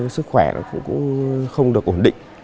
sức khỏe cũng không được ổn định